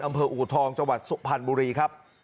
อำเภออูทองจังหวัดสุพรรณบุรีครับ